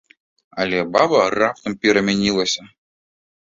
Але баба раптам перамянілася.